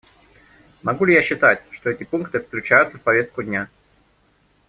Могу ли я считать, что эти пункты включаются в повестку дня?